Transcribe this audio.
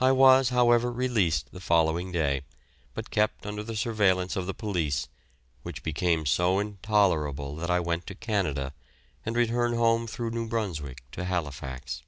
I was however released the following day, but kept under the surveillance of the police, which became so intolerable that I went to Canada, and returned home through New Brunswick to Halifax.